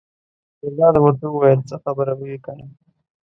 ګلداد ورته وویل: څه خبره به وي کنه.